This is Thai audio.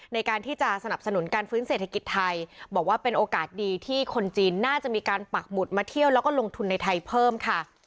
ในการที่จะสนับสนุนการฟื้นเศรษฐกิจไทยบอกว่าเป็นโอกาสดีที่คนจีนน่าจะมีการปักหมุดมาเที่ยวแล้วก็ลงทุนในไทยเพิ่มค่ะ